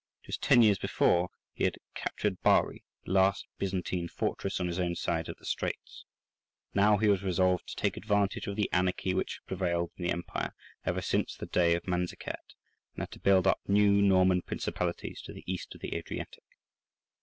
Just ten years before he had captured Bari, the last Byzantine fortress on his own side of the straits; now he was resolved to take advantage of the anarchy which had prevailed in the empire ever since the day of Manzikert, and to build up new Norman principalities to the east of the Adriatic.